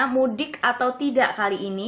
mudik atau tidak kali ini